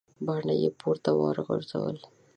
باڼه یې پورته وغورځول.